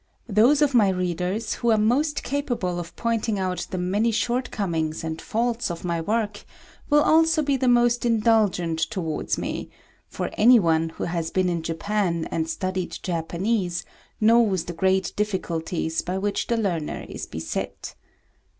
Those of my readers who are most capable of pointing out the many shortcomings and faults of my work, will also be the most indulgent towards me; for any one who has been in Japan, and studied Japanese, knows the great difficulties by which the learner is beset.